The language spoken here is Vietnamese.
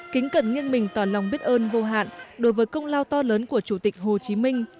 kính cẩn nghiêng mình tỏ lòng biết ơn vô hạn đối với công lao to lớn của chủ tịch hồ chí minh